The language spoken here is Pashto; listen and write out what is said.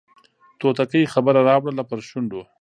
توتکۍ خبره راوړله پر شونډو